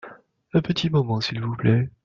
Un petit moment s’il vous plait.